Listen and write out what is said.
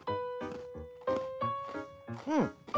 うん。